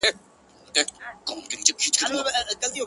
هر یوه وه را اخیستي تومنونه،